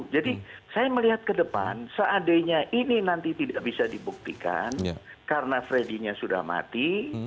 jadi saya melihat ke depan seandainya ini nanti tidak bisa dibuktikan karena freddy nya sudah mati